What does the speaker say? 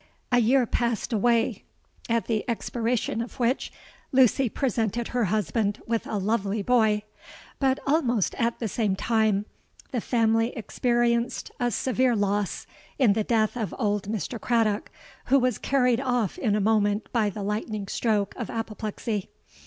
A year passed away, at the expiration of which Lucy presented her husband with a lovely boy; but almost at the same time the family experienced a severe loss in the death of old Mr. Craddock, who was carried off in a moment by the lightning stroke of apoplexy.